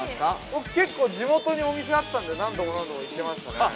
◆僕、結構、地元にお店があったんで、何度も何度も行ってましたね。